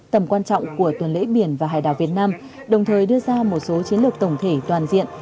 tầm quan trọng của tuần lễ biển và hải đảo việt nam đồng thời đưa ra một số chiến lược tổng thể toàn diện